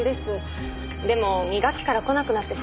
でも二学期から来なくなってしまって。